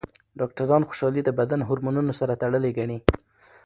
ډاکټران خوشحالي د بدن هورمونونو سره تړلې ګڼي.